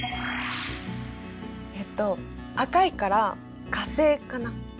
えっと赤いから火星かな？